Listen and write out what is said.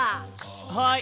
はい。